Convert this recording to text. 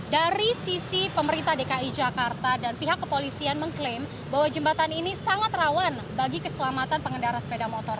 dari sisi pemerintah dki jakarta dan pihak kepolisian mengklaim bahwa jembatan ini sangat rawan bagi keselamatan pengendara sepeda motor